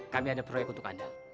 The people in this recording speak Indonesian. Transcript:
kami ada proyek untuk anda